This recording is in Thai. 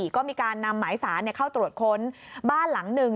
ก็มีการนำหมายสารเข้าตรวจค้นบ้านหลังหนึ่ง